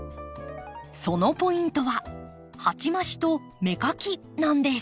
そのポイントは鉢増しと芽かきなんです。